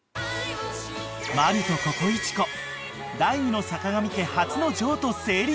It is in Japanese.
［マルとココイチ子第２の坂上家初の譲渡成立］